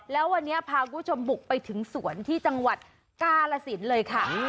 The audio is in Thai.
และวันนี้พาก็จะปลูกไปถึงสวนที่จังหวัดกาลสินเลยค่ะ